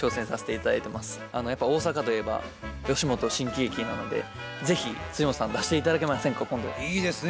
やっぱ大阪といえば吉本新喜劇なので是非本さん出して頂けませんか今いいですね